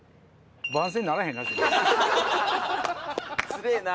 つれぇな。